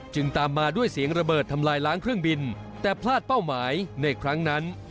ตามมาด้วยเสียงระเบิดทำลายล้างเครื่องบินแต่พลาดเป้าหมายในครั้งนั้น